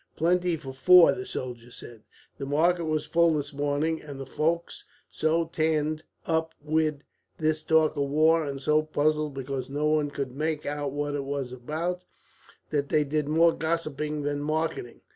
"Plenty for four," the soldier said. "The market was full this morning, and the folk so ta'en up wi' this talk of war, and so puzzled because no one could mak' out what it was about, that they did more gossiping than marketing.